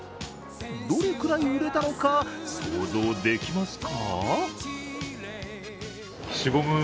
どれくらい売れたのか想像できますか？